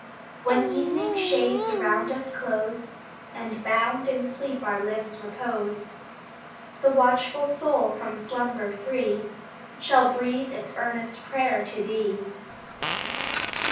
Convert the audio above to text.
) I When evening shades around us close, And bound in sleep our limbs repose, The watchful soul, from slumber free, Shall breathe its earnest prayer to Thee.